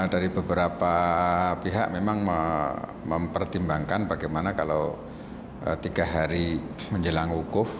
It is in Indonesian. dari beberapa pihak memang mempertimbangkan bagaimana kalau tiga hari menjelang wukuf